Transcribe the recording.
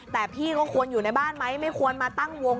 แต่พี่ก็ควรอยู่ในบ้านไหมไม่ควรมาตั้งวง